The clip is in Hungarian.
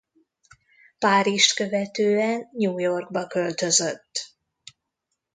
Párizst követően New Yorkba költözött.